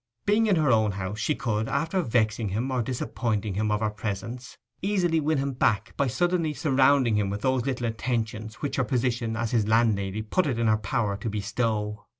Being in her own house, she could, after vexing him or disappointing him of her presence, easily win him back by suddenly surrounding him with those little attentions which her position as his landlady put it in her power to bestow.